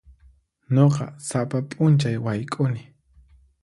Nuqa sapa p'unchay wayk'uni.